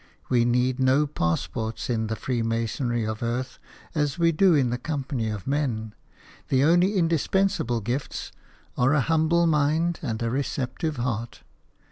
We need no passports in the freemasonry of earth as we do in the company of men; the only indispensable gifts are a humble mind and a receptive heart.